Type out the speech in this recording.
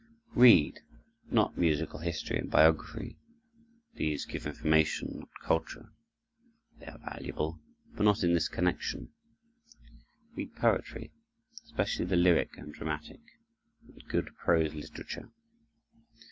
Read—not musical history and biography—these give information, not culture; they are valuable, but not in this connection; read poetry, especially the lyric and dramatic, and good prose literature.